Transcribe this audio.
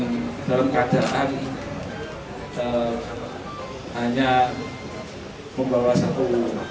dan dalam keadaan hanya membawa satu